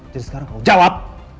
jadi sekarang kamu jawab